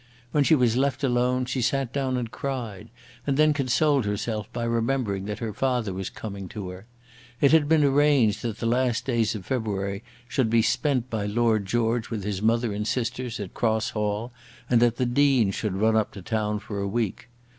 When she was left alone she sat down and cried, and then consoled herself by remembering that her father was coming to her. It had been arranged that the last days of February should be spent by Lord George with his mother and sisters at Cross Hall, and that the Dean should run up to town for a week.